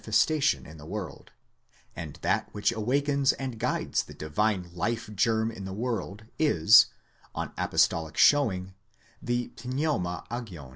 festation in the world; and that which awakens and guides the divine life germ in the world is, on apostolic showing, the τνεῦμα ἅγιον.